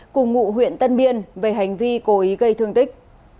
cùng ngụ huyện tân biên về hành vi cố ý gây thương tích